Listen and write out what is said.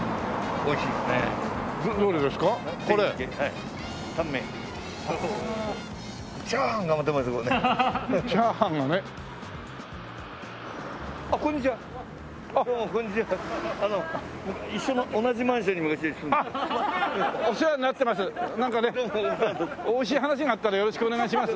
おいしい話があったらよろしくお願いします。